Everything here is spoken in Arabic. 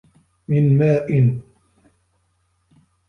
مِنْ مَاءٍ